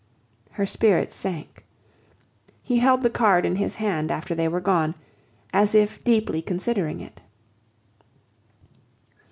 Her spirits sank. He held the card in his hand after they were gone, as if deeply considering it.